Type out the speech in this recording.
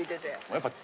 やっぱ。